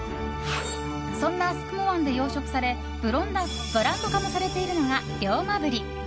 そんな宿毛湾で養殖されブランド化もされているのが龍馬鰤。